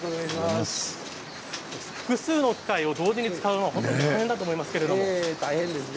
複数の機械を同時に使うのは大変だと思いますけれども大変ですね。